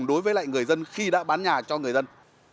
đối với lại người dân khi đã bán nhà cho người dân